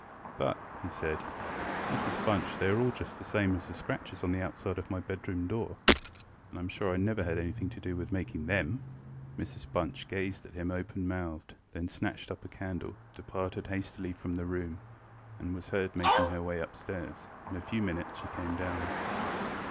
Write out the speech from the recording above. ŌĆ£But, ŌĆØ he said, ŌĆ£Mrs Bunch, they are just the same as the scratches on the outside of my bedroom door; and IŌĆÖm sure I never had anything to do with making them. ŌĆØ Mrs Bunch gazed at him open mouthed, then snatched up a candle, departed hastily from the room, and was heard making her way upstairs. In a few minutes she came down.